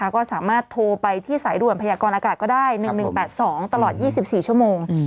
ก็สามารถโทรไปที่สายด่วนพยากรอากาศก็ได้๑๑๘๒ตลอด๒๔ชั่วโมง